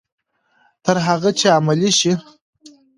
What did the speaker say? تر هغه چې عملي شي.